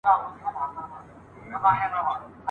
له بارونو له زخمونو له ترټلو !.